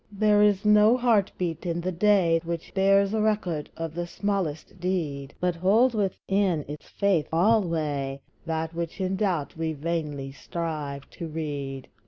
There is no heart beat in the day, Which bears a record of the smallest deed, But holds within its faith alway That which in doubt we vainly strive to read.